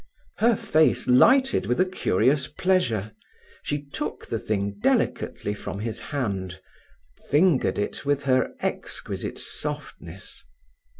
Her face lighted with a curious pleasure. She took the thing delicately from his hand, fingered it with her exquisite softness.